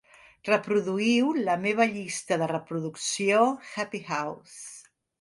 Reproduïu la meva llista de reproducció "Happy House".